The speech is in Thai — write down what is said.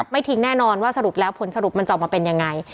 ไม่ทิ้งแน่นอนว่าสรุปแล้วผลสรุปมันจะออกมาเป็นยังไง